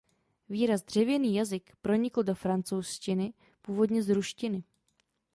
Výraz "dřevěný jazyk" pronikl do francouzštiny původně z ruštiny.